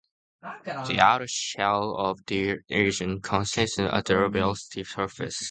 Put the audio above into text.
The outer shell of that region constitutes a zero-velocity surface.